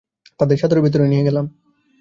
তাদের সাদরে ভেতরে নিয়ে এলাম।